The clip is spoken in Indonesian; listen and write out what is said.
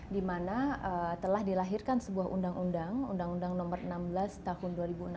di mana telah dilahirkan sebuah undang undang undang nomor enam belas tahun dua ribu enam belas